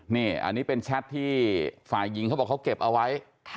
นี่อันนี้เป็นแชทที่ฝ่ายหญิงเขาบอกเขาเก็บเอาไว้